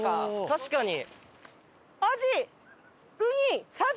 確かに。